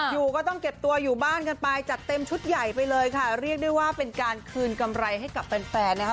อยู่ก็ต้องเก็บตัวอยู่บ้านกันไปจัดเต็มชุดใหญ่ไปเลยค่ะเรียกได้ว่าเป็นการคืนกำไรให้กับแฟนแฟนนะคะ